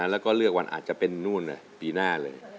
แล้วก็เลือกวันอาจจะเป็นนู่นปีหน้าเลย